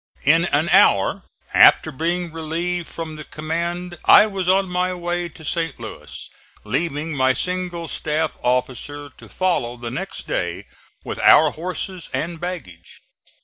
In an hour after being relieved from the command I was on my way to St. Louis, leaving my single staff officer(*6) to follow the next day with our horses and baggage.